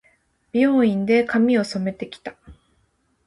美容院で、髪を染めて来た。